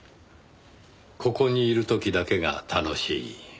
ここにいる時だけが楽しい。